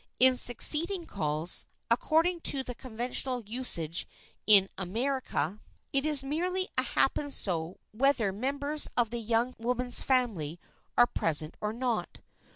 In succeeding calls, according to conventional usage in America, it is merely a happen so whether members of the young woman's family are present or not.